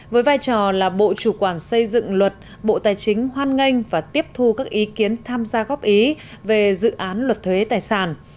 với vai trò là bộ chủ quản xây dựng luật bộ tài chính hoan nghênh và tiếp thu các ý kiến tham gia góp ý về dự án luật thuế tài sản